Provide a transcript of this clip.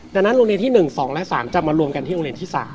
ดังนั้นโรงเรียนที่๑๒และ๓จะมารวมกันที่โรงเรียนที่๓